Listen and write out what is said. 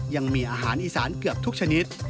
ยังมีอาหารอีสานเกือบทุกชนิด